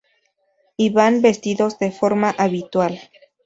Y van vestidos de forma habitual.